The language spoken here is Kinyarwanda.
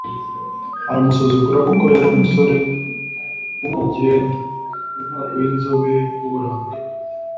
aramusuzugura kuko yari umusore w’umugenda, w’inzobe w’uburanga.